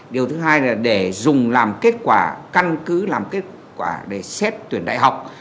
điều thứ hai là để dùng làm kết quả căn cứ làm kết quả để xét tuyển đại học